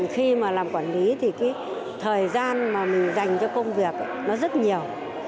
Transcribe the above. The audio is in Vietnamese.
khi mà làm quản lý thì cái thời gian mà mình dành cho công việc nó rất nhiều